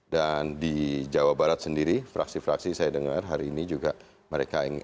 dan di jawa barat sendiri fraksi fraksi saya dengar hari ini juga mereka berkata